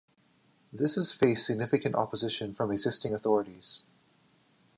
This has faced significant opposition from existing authorities.